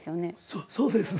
そそうです。